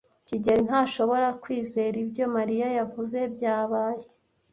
kigeli ntashobora kwizera ibyo Mariya yavuze byabaye.